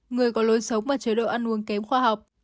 người có lối sống và chế độ ăn uống kém khoa học